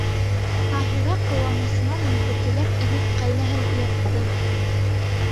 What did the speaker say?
Таһира, ҡыуанысынан йүгергеләп инеп, ҡәйнәһен уятты.